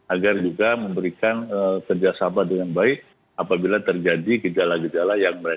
agar juga memberikan kerjasama dengan baik apabila terjadi gejala gejala yang mereka